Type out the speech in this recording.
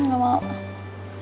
gak mau sih